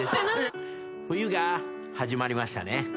冬が始まりましたね。